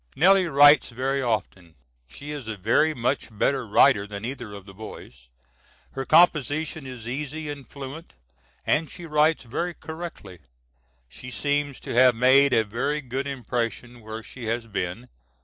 Nellie writes very often; she is a very much better writer than either of the boys. Her composition is easy and fluent, and she writes very correctly. She seems to have made a very good impression where she has been.